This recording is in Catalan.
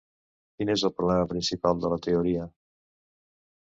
Quin és el problema principal de la teoria?